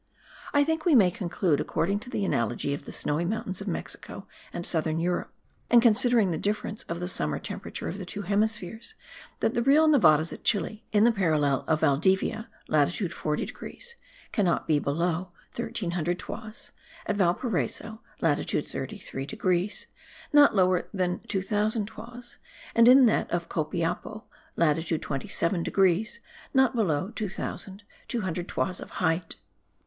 I think we may conclude according to the analogy of the Snowy Mountains of Mexico and southern Europe, and considering the difference of the summer temperature of the two hemispheres, that the real Nevadas at Chile, in the parallel of Valdivia (latitude 40 degrees), cannot be below 1300 toises; in Valparaiso (latitude 33 degrees) not lower than 2000 toises, and in that of Copiapo (latitude 27 degrees) not below 2200 toises of height.